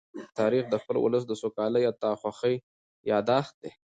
تاریخ د خپل ولس د سوکالۍ او ناخوښۍ يادښت دی.